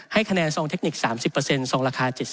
คะแนนซองเทคนิค๓๐ซองราคา๗๐